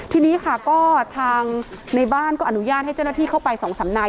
ทีนี้ค่ะก็ทางในบ้านก็อนุญาตให้เจ้าหน้าที่เข้าไปสองสำนาย